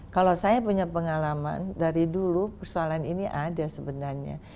kalau saya punya pengalaman dari dulu persoalan ini ada sebenarnya